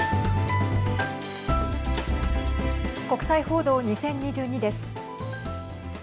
国際報道２０２２です。